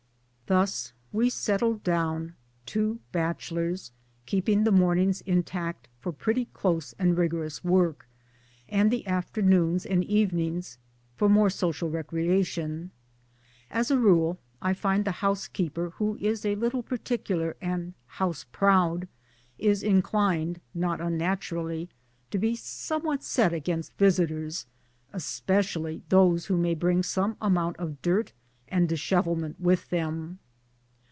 Thus we settled down, two bachelors : keeping the mornings intact for pretty close and rigorous work ; and the afternoons and evenings for more social recreation. As a rule I find the housekeeper who is a little particular and ' house proud ' is in clined, not unnaturally, to be somewhat set against visitors especially those who may bring some amount of dirt and dishevelment with them.